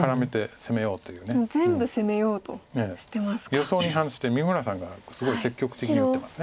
予想に反して三村さんがすごい積極的に打ってます。